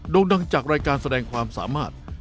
่งดังจากรายการแสดงความสามารถ